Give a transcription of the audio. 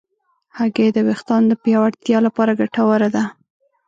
هګۍ د ویښتانو د پیاوړتیا لپاره ګټوره ده.